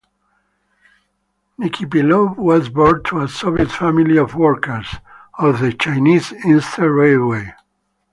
Nekipelov was born to a Soviet family of workers of the Chinese Eastern Railway.